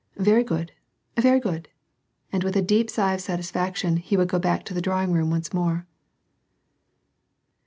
Very good, very good." And with a deep sigh of satisfaction, he would go back to the drawing room once more.